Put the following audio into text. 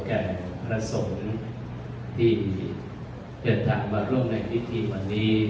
แก่พระสงฆ์ที่เดินทางมาร่วมในพิธีวันนี้